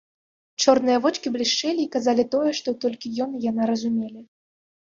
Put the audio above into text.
Чорныя вочкі блішчэлі і казалі тое, што толькі ён і яна разумелі.